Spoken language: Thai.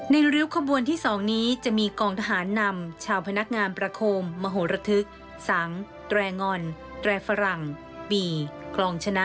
ริ้วขบวนที่๒นี้จะมีกองทหารนำชาวพนักงานประโคมมโหระทึกสังแตรงอนแตรฝรั่งปีกลองชนะ